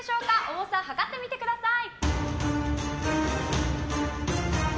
重さはかってみてください。